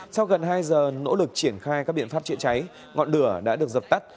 sau gần hai giờ nỗ lực triển khai các biện pháp chữa cháy ngọn lửa đã được dập tắt